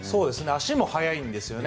足も速いんですよね。